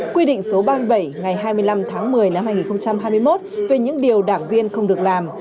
quy định số ba mươi bảy ngày hai mươi năm tháng một mươi năm hai nghìn hai mươi một về những điều đảng viên không được làm